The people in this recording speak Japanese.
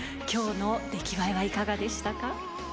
今日の出来栄えはいかがでしたか？